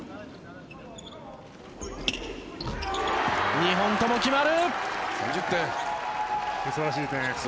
２本とも決まる！